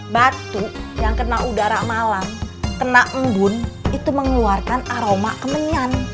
batu yang kena udara malam kena embun itu mengeluarkan aroma kemenyan